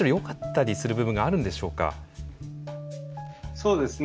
そうですね。